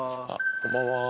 こんばんは。